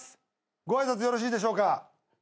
ご挨拶よろしいでしょうか？